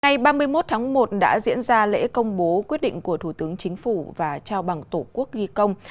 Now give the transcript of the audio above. ngày ba mươi một tháng một đã diễn ra lễ công bố quyết định của thủ tướng chính phủ và trao bằng tổ quốc ghi công